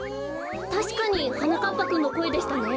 たしかにはなかっぱくんのこえでしたね。